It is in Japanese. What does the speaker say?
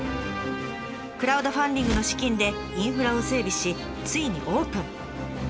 クラウドファンディングの資金でインフラを整備しついにオープン。